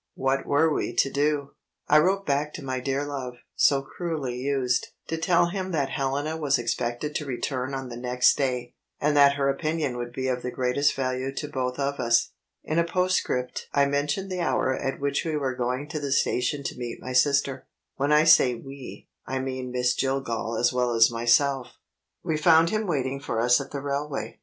What were we to do? I wrote back to my dear love (so cruelly used) to tell him that Helena was expected to return on the next day, and that her opinion would be of the greatest value to both of us. In a postscript I mentioned the hour at which we were going to the station to meet my sister. When I say "we," I mean Miss Jillgall as well as myself. ....... We found him waiting for us at the railway.